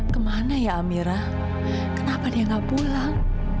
kemana ya amira kenapa dia nggak pulang